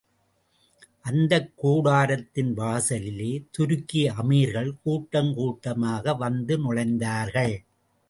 அந்தக் கூடாரத்தின் வாசலிலே துருக்கி அமீர்கள் கூட்டங் கூட்டமாக வந்து நுழைந்தார்கள்.